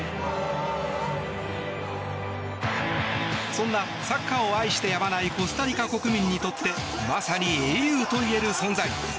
そんな、サッカーを愛してやまないコスタリカ国民にとってまさに英雄といえる存在。